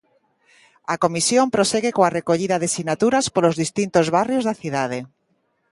A Comisión prosegue coa recollida de sinaturas polos distintos barrios da cidade.